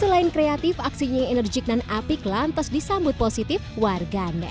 selain kreatif aksinya yang enerjik dan apik lantas disambut positif warganet